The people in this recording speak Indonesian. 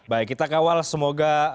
baik kita kawal semoga